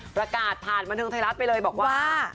ประกาศผ่านบันเทิงไทยรัฐไปเลยบอกว่า